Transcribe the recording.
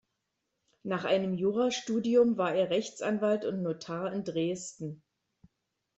Nach einem Jurastudium war er Rechtsanwalt und Notar in Dresden.